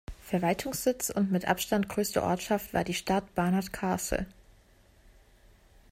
Verwaltungssitz und mit Abstand größte Ortschaft war die Stadt Barnard Castle.